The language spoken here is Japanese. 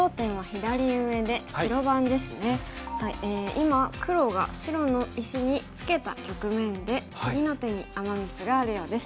今黒が白の石にツケた局面で次の手にアマ・ミスがあるようです。